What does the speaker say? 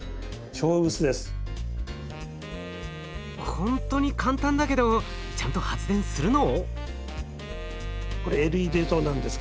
ほんとに簡単だけどちゃんと発電するの？